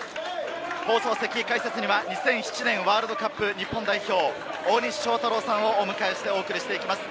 放送席解説には２００７年ワールドカップ日本代表、大西将太郎さんをお迎えしてお送りしていきます。